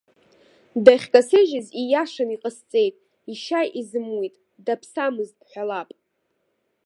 Дахькасыжьыз иашаны иҟасҵеит, ишьа изымуит, даԥсамызт бҳәалап.